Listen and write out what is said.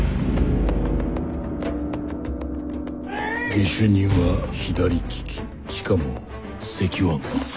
下手人は左利きしかも隻腕。